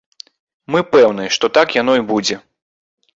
Мы пэўны, што так яно і будзе.